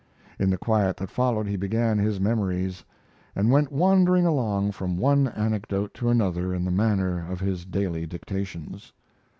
In the quiet that followed he began his memories, and went wandering along from one anecdote to another in the manner of his daily dictations.